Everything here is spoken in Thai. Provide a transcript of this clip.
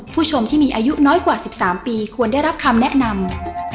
ผู้ชมที่มีอายุน้อยกว่า๑๓ปีควรได้รับคำแนะนำ